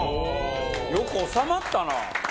よく収まったな！